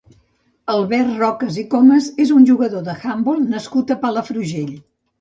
Albert Rocas i Comas és un jugador d'handbol nascut a Palafrugell.